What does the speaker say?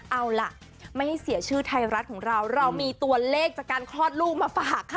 เอาล่ะไม่ให้เสียชื่อไทยรัฐของเราเรามีตัวเลขจากการคลอดลูกมาฝากค่ะ